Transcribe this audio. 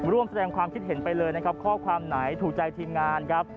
ร่วมแสดงความคิดเห็นไปเลยนะครับข้อความไหนถูกใจทีมงานครับ